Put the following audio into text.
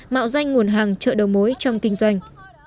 mạo danh nguồn hàng chợ đầu mối trong kinh doanh